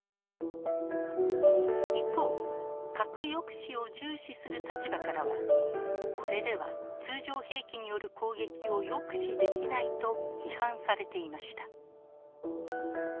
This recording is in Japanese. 一方核抑止を重視する立場からはこれでは通常兵器による攻撃を抑止できないと批判されていました。